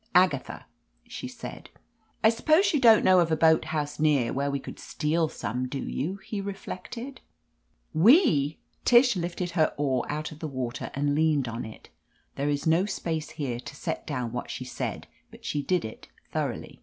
"Agatha !" she said. 310 j OF LETITIA CARBERRY "I suppose you don't know of a boat house near where we could steal some, do you?" he reflected. Tish lifted her oar out of the water and leaned on it. There is no space here to set down what she said, but she did it thoroughly.